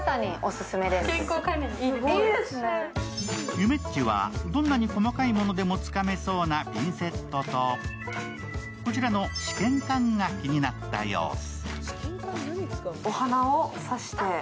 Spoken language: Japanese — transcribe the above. ゆめっちはどんなに細かいものでもつかめそうなピンセットとこちらの試験管が気になった様子。